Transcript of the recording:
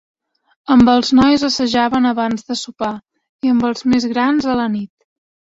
Amb els nois assajaven abans de sopar, i amb els més grans a la nit.